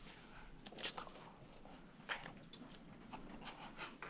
ちょっと。